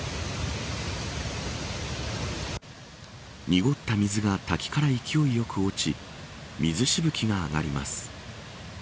濁った水が滝から勢いよく落ち水しぶきが上がります。